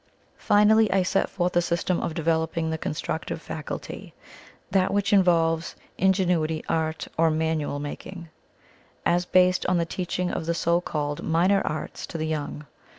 Finally, I set forth a system of developing the Constructive Faculty that which involves Ingenuity, Art, or manual making as based on the teaching of the so called Minor Arts to the young.